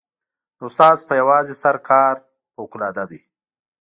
د استاد په یوازې سر کار فوقالعاده دی.